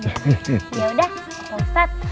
yaudah bapak ustadz